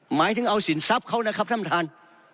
หมายถึงเอาสินทรัพย์เขานะครับท่านประธาน